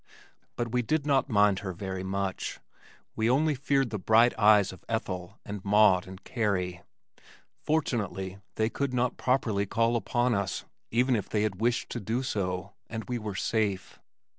But we did not mind her very much. We only feared the bright eyes of Ethel and Maude and Carrie. Fortunately they could not properly call upon us, even if they had wished to do so, and we were safe.